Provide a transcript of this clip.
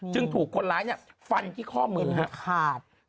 จึงถูกคนร้ายเนี่ยฟันที่ข้อมือครับ